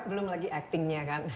belum lagi actingnya kan